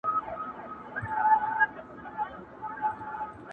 بحثونه زياتېږي هره ورځ دلته تل.